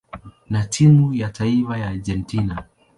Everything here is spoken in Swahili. na timu ya taifa ya Argentina.